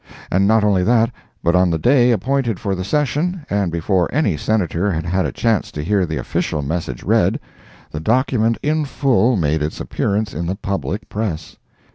And not only that, but on the day appointed for the session, and before any Senator had had a chance to hear the official message read, the document in full made its appearance in the public press!